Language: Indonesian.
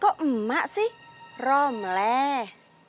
kok emak sih romleh